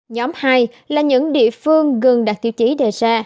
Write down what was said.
nhóm hai là những địa phương gần đạt tiêu chí đề ra